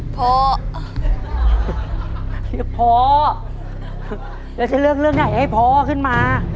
พอพอแล้วจะเลือกเรื่องไหนให้พอขึ้นมา